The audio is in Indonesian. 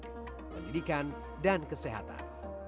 pendidikan dan kesehatan